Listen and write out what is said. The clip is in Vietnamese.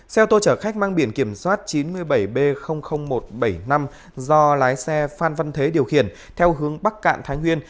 xe ô tô chở khách mang biển kiểm soát chín mươi bảy b một trăm bảy mươi năm do lái xe phan văn thế điều khiển theo hướng bắc cạn thái nguyên